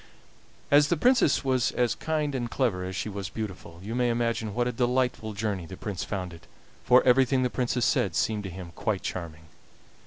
As the Princess was as kind and clever as she was beautiful, you may imagine what a delightful journey the Prince found it, for everything the Princess said seemed to him quite charming.